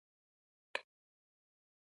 هغه د ستوري پر څنډه ساکت ولاړ او فکر وکړ.